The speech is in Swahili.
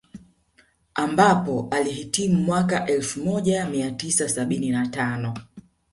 Ambapo alihitimu mwaka elfu moja mia tisa sabini na tano